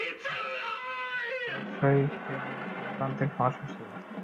স্পষ্টতই, প্লেনে কোনো যান্ত্রিক সমস্যা ছিল।